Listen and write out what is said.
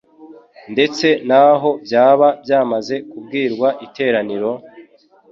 ndetse naho byaba byamaze kubwirwa iteraniro,